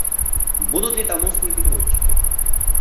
Будут ли там устные переводчики?